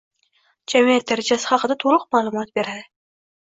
jamiyat darajasi haqida to‘liq ma’lumot beradi.